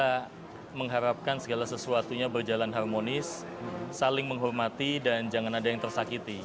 kita mengharapkan segala sesuatunya berjalan harmonis saling menghormati dan jangan ada yang tersakiti